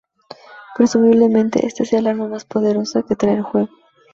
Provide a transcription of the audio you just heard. Presumiblemente, esta sea el arma más poderosa que trae el juego.